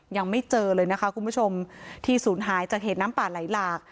ยังไม่เจอเลยนะคะคุณผู้ชมที่ศูนย์หายจากเหตุน้ำป่าไหลหลาก